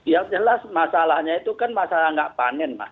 ya jelas masalahnya itu kan masalah nggak panen pak